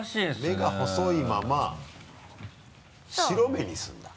目が細いまま白目にするんだ。